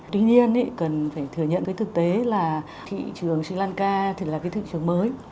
tuy nhiên cần phải thừa nhận cái thực tế là thị trường sri lanka thì là cái thị trường mới